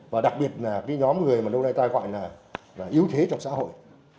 và đặc biệt là nhóm người lâu nay tài khoản yếu thế trong xã hội